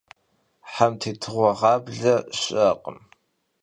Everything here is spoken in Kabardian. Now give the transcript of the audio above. Hemtêtığue ğable şı'ekhım.